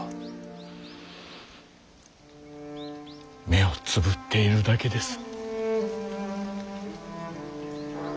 目をつぶっているだけです。